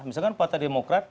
misalkan partai demokrat